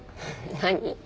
何？